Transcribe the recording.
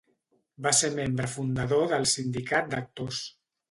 Va ser membre fundador del Sindicat d'Actors.